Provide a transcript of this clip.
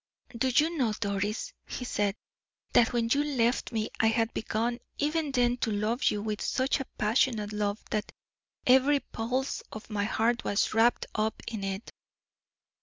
"Do you know, Doris," he said, "that when you left me I had begun, even then, to love you with such a passionate love that every pulse of my heart was wrapped up in it."